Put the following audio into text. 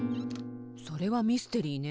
それはミステリーね。